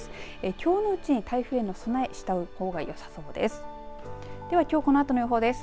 きょうのうちに台風への備えしたほうがよさそうです。